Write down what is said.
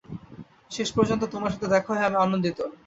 শেষপর্যন্ত তোমার সাথে দেখা হয়ে আমি আনন্দিত।